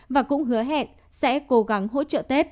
và cũng hứa hẹn sẽ cố gắng hỗ trợ tết